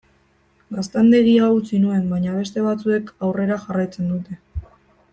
Gaztandegia utzi nuen, baina beste batzuek aurrera jarraitzen dute.